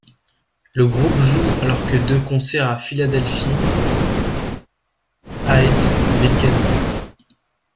Le groupe joue alors deux concerts à Philadelphie aet Wilkes-Barre.